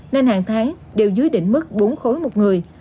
nên hàng tháng đều dưới đỉnh mức bốn khối một người